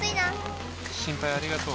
「心配ありがとう」。